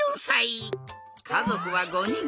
かぞくは５にん。